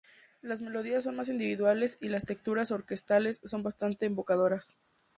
Las melodías son más individuales y las texturas orquestales son bastante evocadoras.